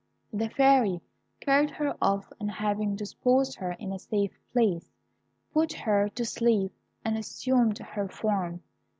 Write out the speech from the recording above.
The Fairy carried her off, and having deposited her in a safe place, put her to sleep, and assumed her form.